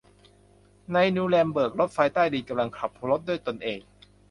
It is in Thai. ในนูเรมเบิร์กรถไฟใต้ดินกำลังขับรถด้วยตนเอง